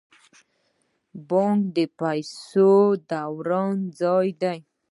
بانک د پیسو د دوران ځای دی